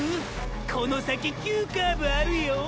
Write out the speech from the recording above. この先急カーブあるよ